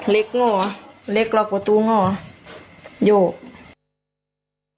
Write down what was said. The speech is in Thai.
เล็กโง่เล็กกลอกประตูโง่โยก